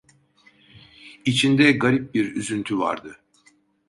İçinde garip bir üzüntü vardı.